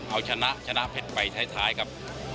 เอาชนะชนะเพชรไปท้ายครับ